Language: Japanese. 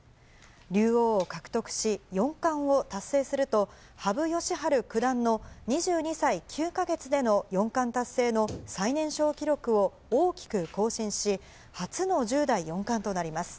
竜王を獲得し、四冠を達成すると、羽生善治九段の２２歳９か月での四冠達成の最年少記録を大きく更新し、初の１０代四冠となります。